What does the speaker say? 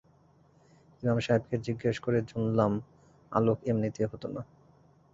ইমাম- সাহেবকে জিজ্ঞেস করে জুনলাম-আলোক এমনিতেই হত না।